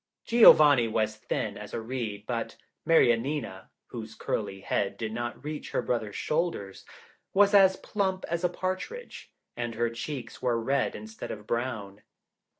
Giovanni was thin as a reed, but Mariannina, whose curly head did not reach her brother's shoulders, was as plump as a partridge, and her cheeks were red instead of brown.